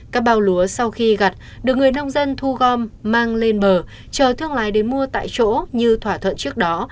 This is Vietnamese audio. các bao lúa sau khi gặt được người nông dân thu gom mang lên bờ chờ thương lái đến mua tại chỗ như thỏa thuận trước đó